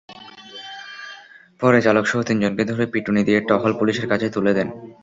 পরে চালকসহ তিনজনকে ধরে পিটুনি দিয়ে টহল পুলিশের কাছে তুলে দেন।